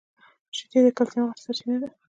شیدې د کلیسم غټه سرچینه ده.